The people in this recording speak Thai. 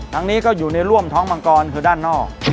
อย่างนี้ก็อยู่ในร่วมท้องมังกรคือด้านนอก